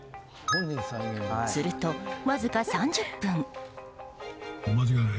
すると、わずか３０分。